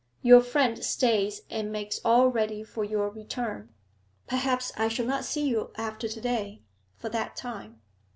Your friend stays and makes all ready for your return. Perhaps I shall not see you after to day, for that time.